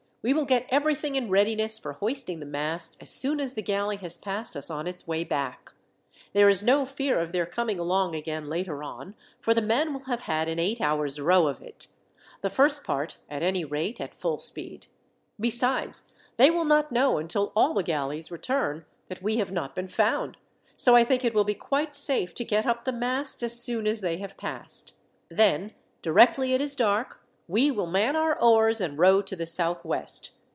"We will get everything in readiness for hoisting the masts as soon as the galley has passed us on its way back. There is no fear of their coming along again later on, for the men will have had an eight hours' row of it; the first part, at any rate, at full speed. Besides, they will not know, until all the galleys return, that we have not been found, so I think it will be quite safe to get up the masts as soon as they have passed. Then directly it is dark we will man our oars and row to the southwest.